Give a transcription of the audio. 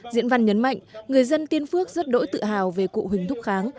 diễn văn nhấn mạnh người dân tiên phước rất đỗi tự hào về cụ huỳnh thúc kháng